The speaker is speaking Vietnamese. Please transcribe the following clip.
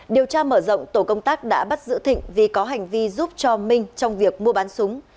điều tra mở rộng tổ công tác đã bắt giữ thịnh vì có hành vi giúp cho minh trong việc mua bán súng